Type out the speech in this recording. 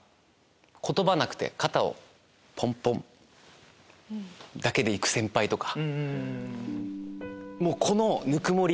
言葉なくて肩をポンポン！だけで行く先輩とか。